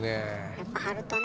やっぱ貼るとね。